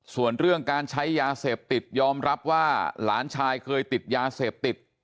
ส่วนเรื่องการใช้ยาเสพติดยอมรับว่าหลานชายเคยติดยาเสพติด